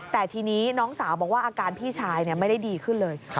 แต่ทีนี้น้องสาวบอกว่าอาการพี่ชายไม่ได้ดีขึ้นเลย